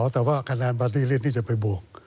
แต่ว่าคะแนนปาร์ตี้เล่นที่จะไปบวก